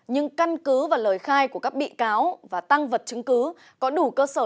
nhưng căn cứ và lời khai của các bị cáo và tăng vật chứng cứ có đủ cơ sở